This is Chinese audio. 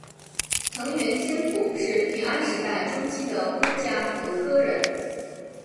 藤原兼辅是平安时代中期的公家和歌人。